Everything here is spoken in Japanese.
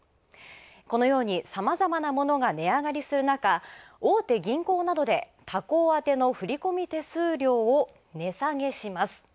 このように、さまざまなものが値上がりする中、大手銀行などで他行宛ての振り込み手数料を値下げします。